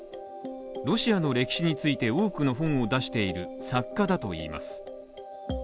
ロシアの歴史について多くの本を出している作家だといいます。